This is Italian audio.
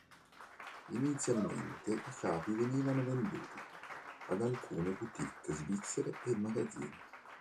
Inizialmente i capi venivano venduti ad alcune boutique svizzere e magazzini.